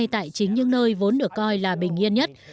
tại chính những nơi vốn được coi là bình yên nhất